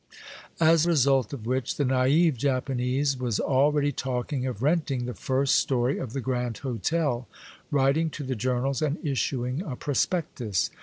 As result of which, the naive Japanese was already talking of renting the first story of the Grand Hotel, writing to the journals, and Issuing a prospectus.